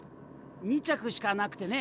２着しかなくてね。